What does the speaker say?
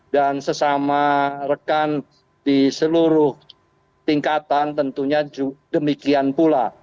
dan sesama rekan di seluruh tingkatan tentunya demikian pula